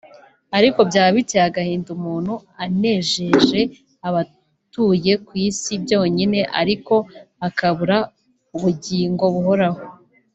ariko byaba biteye agahinda umuntu anejeje abatuye ku isi byonyine ariko akabura ubugingo buhoraho